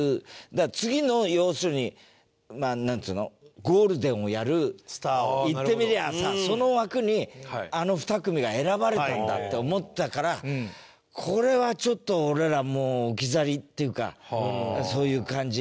だから次の要するにまあなんつうのゴールデンをやる言ってみりゃあさその枠にあの２組が選ばれたんだって思ったからこれはちょっと俺らもう置き去りっていうかそういう感じ。